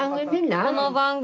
その番組。